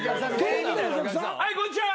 はいこんにちは！